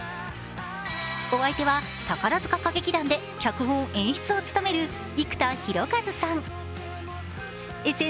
お相手は、宝塚歌劇団で脚本・演出を務める生田大和さん。